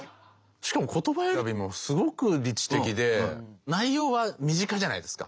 しかも言葉選びもすごく理知的で内容は身近じゃないですか。